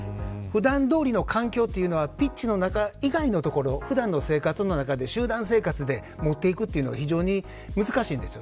普段どおりの環境というのはピッチの中以外のところ普段の生活の中で集団生活の中でもっていくのが非常に難しいんです。